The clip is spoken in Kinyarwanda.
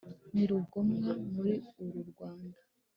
ni rugomwa muri uru rwanda,